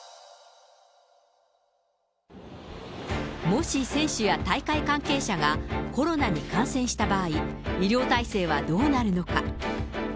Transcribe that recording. もし選手や大会関係者がコロナに感染した場合、医療体制はどうなるのか。